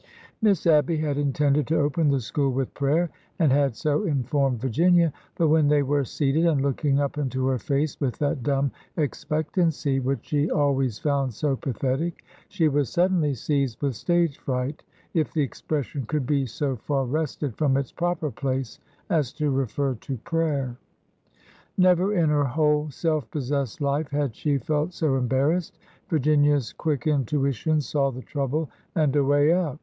Miss Abby had intended to open the school with prayer, and had so informed Virginia ; but when they were seated and looking up into her face with that dumb expectancy which she always found so pathetic, she was suddenly seized with stage fright, if the expression could be so far wrested from its proper place as to refer to prayer. Never in her whole self possessed life had she felt so embar rassed. Virginia's quick intuition saw the trouble and a way out.